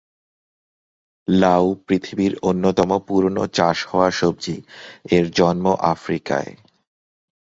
লাউ পৃথিবীর অন্যতম পুরনো চাষ হওয়া সবজি, এর জন্ম আফ্রিকায়।